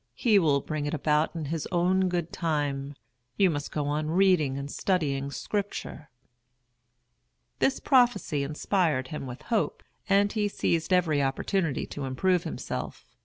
He will bring it about in his own good time. You must go on reading and studying Scripture." This prophecy inspired him with hope, and he seized every opportunity to improve himself.